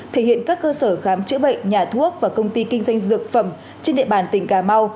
thể hiện các cơ sở khám chữa bệnh nhà thuốc và công ty kinh doanh dược phẩm trên địa bàn tỉnh cà mau